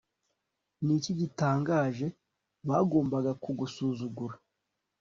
niki gitangaje! bagomba kugusuzugura